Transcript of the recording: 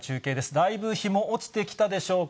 だいぶ日も落ちてきたでしょうか。